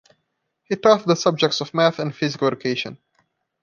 He taught the subjects of math and physical education.